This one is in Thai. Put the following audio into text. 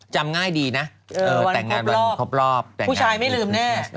จำง่ายดีน่ะเออวันครบรอบวันครบรอบผู้ชายไม่ลืมแน่